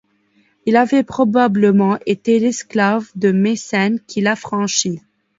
Il avait probablement été l'esclave de Mécène qui l'affranchit.